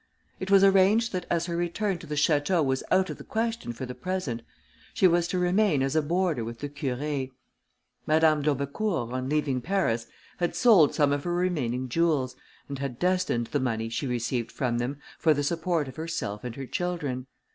It was arranged that as her return to the château was out of the question for the present, she was to remain as a boarder with the Curé. Madame d'Aubecourt, on leaving Paris, had sold some of her remaining jewels, and had destined the money she received from them for the support of herself and her children.